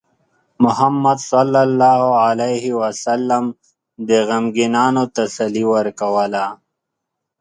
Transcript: محمد صلى الله عليه وسلم د غمگینانو تسلي ورکوله.